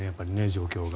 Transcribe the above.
状況が。